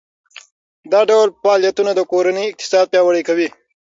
دا ډول فعالیتونه د کورنۍ اقتصاد پیاوړی کوي.